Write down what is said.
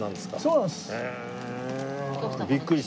そうなんです。